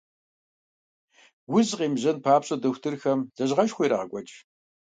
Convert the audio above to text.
Уз къемыжьэн папщӀэ, дохутырхэм лэжьыгъэшхуэ ирагъэкӀуэкӀ.